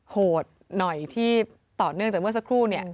โหดหน่อยที่ต่อเนื่องจากเมื่อสักครู่เนี่ย